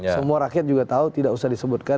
semua rakyat juga tahu tidak usah disebutkan